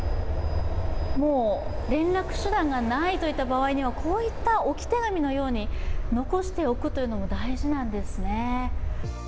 もう連絡手段がないといった場合にはこういった置き手紙のように残しておくというのも大事なんですね。